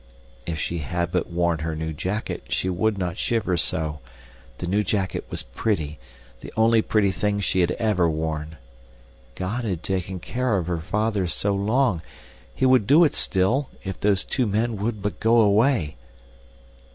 If she had but worn her new jacket, she would not shiver so. The new jacket was pretty the only pretty thing she had ever worn. God had taken care of her father so long. He would do it still, if those two men would but go away.